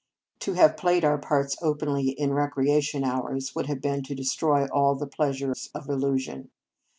To have played our parts openly in recreation hours would have been to destroy all the pleasures of illusion.